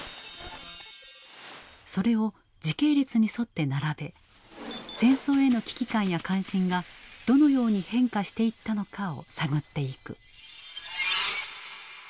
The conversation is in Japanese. それを時系列に沿って並べ戦争への危機感や関心がどのように変化していったのかを探っていく。